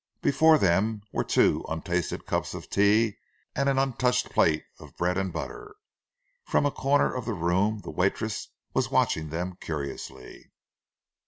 Before them were two untasted cups of tea and an untouched plate of bread and butter. From a corner of the room the waitress was watching them curiously.